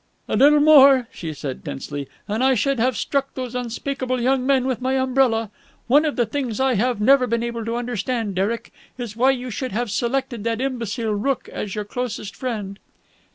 "A little more," she said tensely, "and I should have struck those unspeakable young men with my umbrella. One of the things I have never been able to understand, Derek, is why you should have selected that imbecile Rooke as your closest friend."